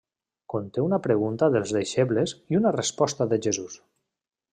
Conté una pregunta dels deixebles i una resposta de Jesús.